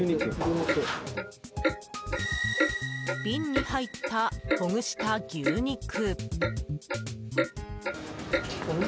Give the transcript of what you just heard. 瓶に入った、ほぐした牛肉。